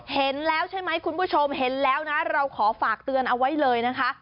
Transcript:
เห็นแล้วใช่ไหมคุณผู้ชมเห็นแล้วนะเราขอฝากเตือนเอาไว้เลยนะคะ